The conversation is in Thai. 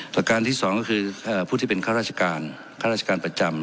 ประการที่สองก็คือผู้ที่เป็นข้าราชการข้าราชการประจำ